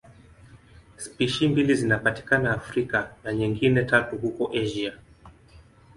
Spishi mbili zinapatikana Afrika na nyingine tatu huko Asia.